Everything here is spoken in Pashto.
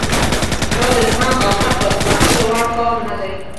دا د زغم او حتی د بښلو وړ کار نه دی.